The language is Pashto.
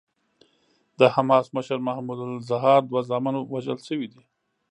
د حماس مشر محمود الزهار دوه زامن وژل شوي دي.